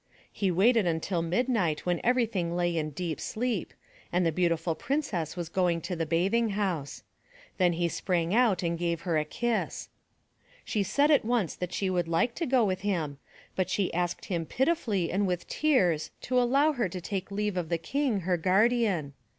He waited until midnight when everything lay in deep sleep, and the Beautiful Princess was going to the bathing house. Then he sprang out and gave her a kiss. She said at once that she would like to go with him, but she asked him pitifully and with tears to allow her to take leave of the King, her guardian.